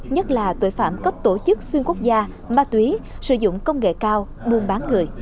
nhất là tội phạm có tổ chức xuyên quốc gia ma túy sử dụng công nghệ cao buôn bán người